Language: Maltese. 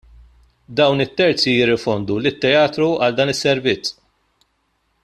Dawn it-terzi jirrifondu lit-teatru għal dan is-servizz.